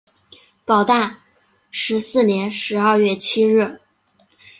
保大十四年十二月七日。